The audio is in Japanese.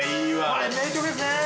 ◆これ、名曲ですね。